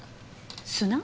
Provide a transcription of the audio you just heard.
砂？